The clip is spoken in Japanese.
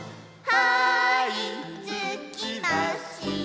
「はーいつきました」